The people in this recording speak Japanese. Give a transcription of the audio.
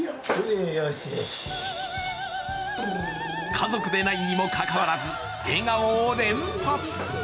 家族でないにもかかわらず笑顔を連発。